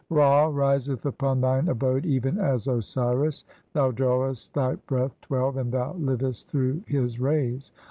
Ra riseth upon "thine abode even as Osiris ; thou drawest thy breath, "(12) and thou livest through his rays.